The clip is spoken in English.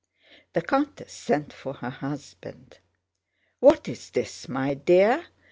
The countess sent for her husband. "What is this, my dear?